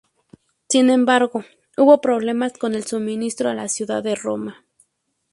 Sin embargo, hubo problemas con el suministro a la ciudad de Roma.